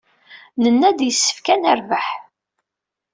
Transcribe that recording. Nenna-d yessefk ad nerbeḥ.